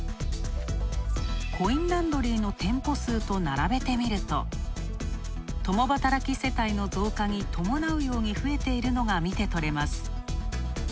コインランドリーの店舗数と並べてみると、共働き世帯の増加に伴うように増えているのが見て取れます。